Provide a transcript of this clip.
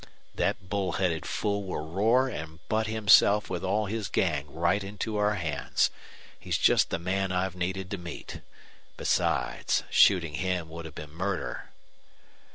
"That bull headed fool will roar and butt himself with all his gang right into our hands. He's just the man I've needed to meet. Besides, shooting him would have been murder."